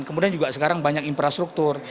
kemudian juga sekarang banyak infrastruktur